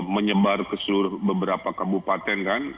menyebar ke seluruh beberapa kabupaten kan